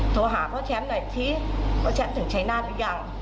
โทรหาเขาแชมป์หน่อยพี่เขาแชมป์ถึงใช้หน้าหรือยัง